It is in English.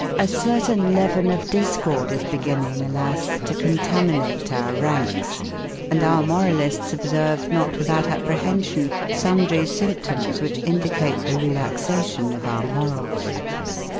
A certain leaven of discord is beginning, alas, to contaminate our ranks, and our moralists observe not without apprehension sundry symptoms which indicate the relaxation of our morals.